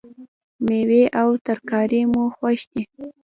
میوې او ترکاری مو خوښ دي